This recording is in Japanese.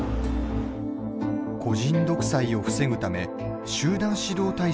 個人独裁を防ぐため集団指導体制を導入